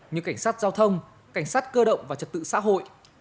như cảnh sát giao thông cảnh sát cơ động và trật tự xã hội